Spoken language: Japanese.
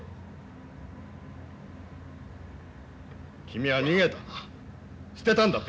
君は逃げたんだ